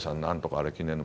あれ記念の」。